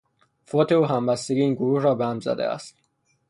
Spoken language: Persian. فوت او همبستگی این گروه را به هم زده است.